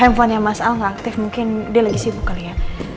handphone nya mas al gak aktif mungkin dia lagi sibuk kali ya